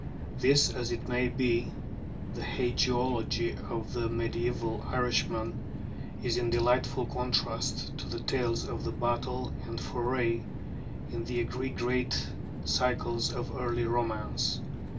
This as it may be, the hagiology of the mediæval Irishman is in delightful contrast to the tales of battle and foray in the three great cycles of early romance.